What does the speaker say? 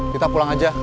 kita pulang aja